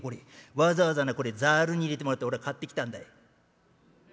わざわざなこれザルに入れてもらっておら買ってきたんだい」。